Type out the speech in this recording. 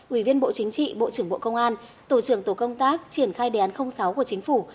ủy viên bộ chính trị bộ trưởng bộ công an tổ trưởng tổ công tác triển khai đề án sáu của chính phủ